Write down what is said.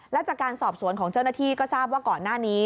และจากการสอบสวนของเจ้าหน้าที่ก็ทราบว่าก่อนหน้านี้